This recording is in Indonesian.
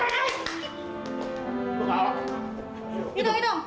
itu kau hitung hitung